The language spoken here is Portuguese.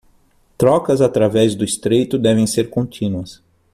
Trocas através do Estreito devem ser contínuas